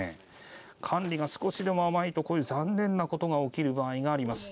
管理が少しでも甘いとこういう残念なことが起きる場合があります。